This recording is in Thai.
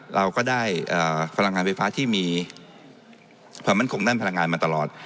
เราก็ได้พลังงานไฟฟ้าที่มีความมั่นคงด้านพลังงานมาตลอด